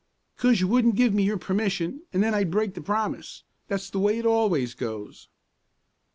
"'Cause you wouldn't give me your permission, and then I'd break the promise. That's the way it always goes."